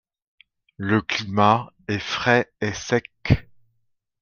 Le climat est frais et sec.